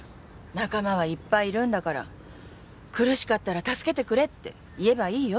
仲間はいっぱいいるんだから苦しかったら助けてくれって言えばいいよ。